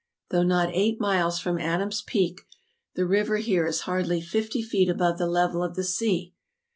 ... Though not eight miles from Adam's Peak, the river here is hardly fifty feet above the level of the sea.